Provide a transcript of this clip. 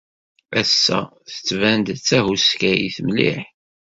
Ass-a, tettban-d d tahuskayt mliḥ.